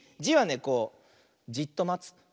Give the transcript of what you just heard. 「じ」はねこうじっとまつ。